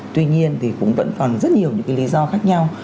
tuy nhiên thì cũng vẫn còn rất nhiều những cái lý do khác nhau